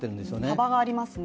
幅がありますね。